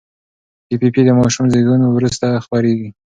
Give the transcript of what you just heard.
پي پي پي د ماشوم زېږون وروسته خپرېږي.